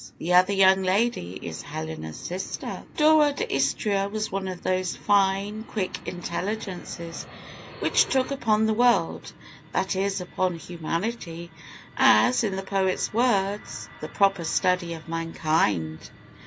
The other young lady is Helena's sister." Dora d'Istria was one of those fine, quick intelligences which look upon the world that is, upon humanity as, in the poet's words, "The proper study of mankind."